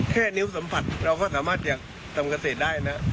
แค่นิ้วสัมผัสเราก็สามารถจะทำเกษตรได้นะ